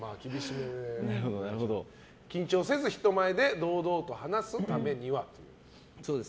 緊張せず人前で堂々と話すためにはと。